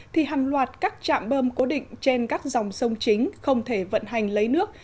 thì hàng loạt các trạm bơm cố định trên các dòng sông chính không thể vận hành lấy nước